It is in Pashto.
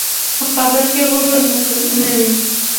په قبر کې غرور نه وي.